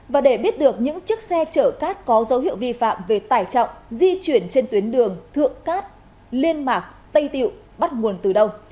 và để biết được những chiếc xe chở cát có dấu hiệu vi phạm về tải trọng di chuyển trên tuyến đường thượng cát liên mạc tây tiệu bắt nguồn từ đâu